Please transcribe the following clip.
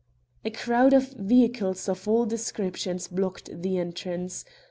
A crowd of vehicles of all descriptions blocked the entrance.